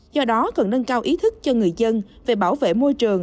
do đó cần nâng cao ý thức cho người dân về bảo vệ môi trường